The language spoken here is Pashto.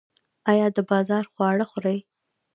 ایا د بازار خواړه خورئ؟